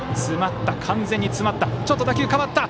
完全に詰まった。